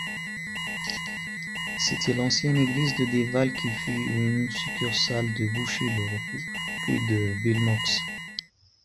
C'était l'ancienne église de Dival qui fut une succursale de Bouchy-le-Repos puis de Villenauxe.